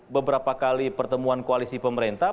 beberapa kali pertemuan koalisi pemerintah